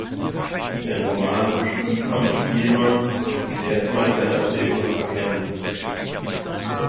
Sein Roman „Spießer und Spielmann“ ließ erstmals seine Erzählkunst erkennen.